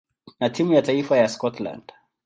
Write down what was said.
na timu ya taifa ya Scotland.